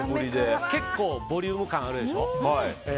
結構ボリューム感があるでしょ。